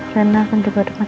rena akan juga dapat ditambahin